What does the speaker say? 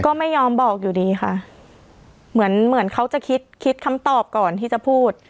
ก็ไม่ยอมบอกอยู่ดีค่ะเหมือนเหมือนเขาจะคิดคิดคำตอบก่อนที่จะพูด